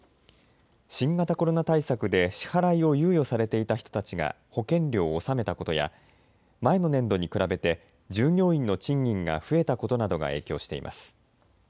新型コロナ対策で支払いを猶予されていた人たちが保険料を納めたことや前の年度に比べて従業員の賃金が増えたことなどが影響しています。